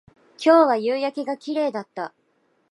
今日は夕焼けが綺麗だった